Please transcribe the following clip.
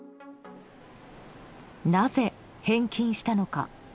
なぜ、返金したのか？